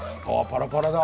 パラパラだ。